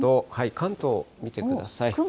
関東見てください。